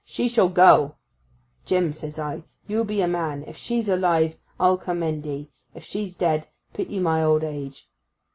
She shall go!" "Jim," says I, "you be a man. If she's alive, I commend 'ee; if she's dead, pity my old age."